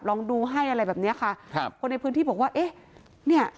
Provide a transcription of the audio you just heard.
ลองดูให้อะไรแบบเนี้ยค่ะครับคนในพื้นที่บอกว่าเอ๊ะเนี่ย